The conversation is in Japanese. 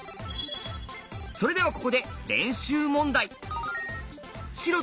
それではここで練習問題。